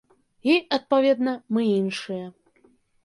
І, адпаведна, мы іншыя.